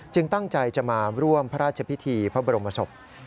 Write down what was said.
ตั้งใจจะมาร่วมพระราชพิธีพระบรมศพ